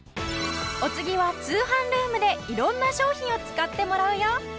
お次は通販ルームで色んな商品を使ってもらうよ。